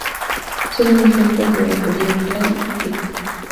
Son un ejemplo de oratoria clara y rica.